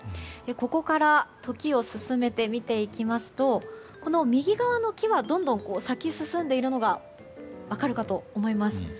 ここから時を進めて見ていきますとこの右側の木はどんどん咲き進んでいるのが分かるかと思います。